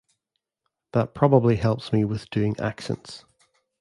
That probably helps me with doing accents.